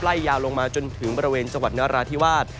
ยาวลงมาจนถึงบริเวณจังหวัดนราธิวาส